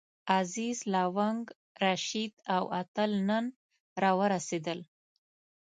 عزیز، لونګ، رشید او اتل نن راورسېدل.